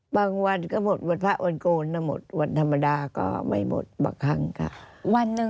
บางวันก็หมดวันพระวรโกลนะหมดวันธรรมดาก็ไม่หมดบางครั้งค่ะ